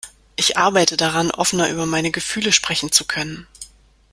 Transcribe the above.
Ich arbeite daran, offener über meine Gefühle sprechen zu können.